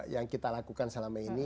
yang kita lakukan selama ini